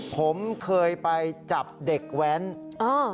ผมเคยไปจับเด็กแหวนอ่าว